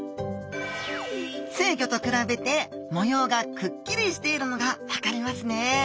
成魚と比べて模様がくっきりしているのが分かりますね。